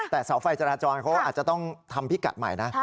แต่เสาไฟจราจรเขาอาจจะต้องทำพิกัดใหม่นะ